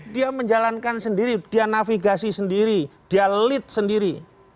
dia menjalankan sendiri dia navigasi sendiri dia lead sendiri